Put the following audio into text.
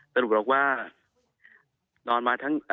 แต่สรุปคุณพ่อแบบว่า